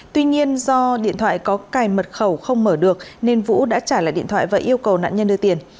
tuy nhiên do điện thoại có cài mật khẩu không mở được nên vũ đã trả lại điện thoại và yêu cầu nạn nhân đưa tiền